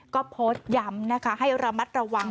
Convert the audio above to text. ก็โพสต์ย้ำนะคะให้ระมัดระวัง